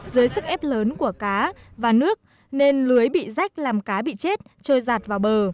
dưới sức ép lớn của cá và nước nên lưới bị rách làm cá bị chết trôi giạt vào bờ